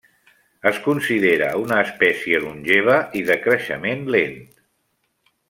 Es considera una espècie longeva i de creixement lent.